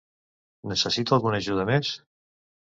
Necessita alguna ajuda més?